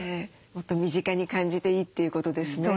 もっと身近に感じていいということですね。